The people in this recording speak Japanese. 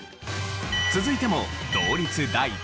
続いても同率第５位。